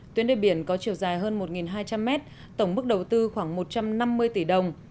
tuyến đề biển có chiều dài hơn một hai trăm linh mét tổng mức đầu tư khoảng một trăm năm mươi tỷ đồng